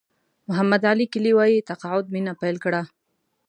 محمد علي کلي وایي تقاعد مینه پیل کړه.